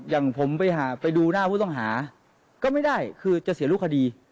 อย่างผมไปหาไปดูหน้าผู้ต้องหาก็ไม่ได้คือจะเสียรูปคดี